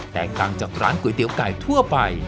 ต่างจากร้านก๋วยเตี๋ยวไก่ทั่วไป